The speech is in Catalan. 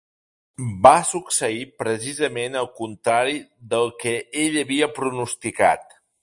Va succeir precisament el contrari del que ell havia pronosticat.